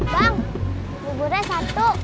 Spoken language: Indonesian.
bang buburnya satu